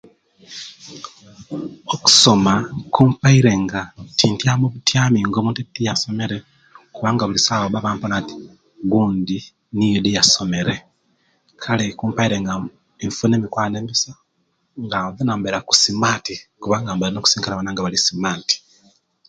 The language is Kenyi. Okusoma kumpire nga tintyama butyami nga omuntu etiyasomere era nga buli sawa baba bampona nti gundi yasomere kale kumpire nga nfuna emikwano emisa nga nzena nba ku smati kuba inina okusisinkana abanange abali smati